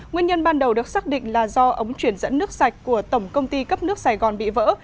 nguyên nhân ban đầu được xác định là do ống truyền dẫn nước sạch của tổng công ty cấp nước sài gòn bị vỡ